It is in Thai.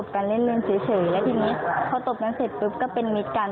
กลับขึ้นฟ้า